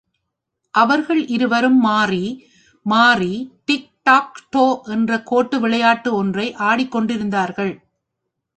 அவர்கள் இருவரும் மாறி, மாறி டிக் டாக் டோ என்ற கோட்டு விளையாட்டு ஒன்றை ஆடிக் கொண்டிருந்தார்கள்.